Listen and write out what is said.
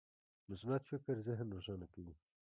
مثبت فکر ذهن روښانه کوي.